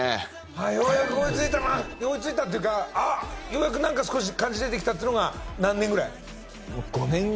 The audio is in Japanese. ようやく追いついたな追いついたっていうかようやくなんか少し感じ出てきたっていうのが何年くらい？